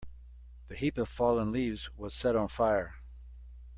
The heap of fallen leaves was set on fire.